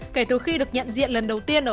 kể từ khi được nhận diện lần đầu tiên